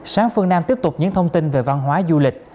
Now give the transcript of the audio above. sáng phương nam tiếp tục những thông tin về văn hóa du lịch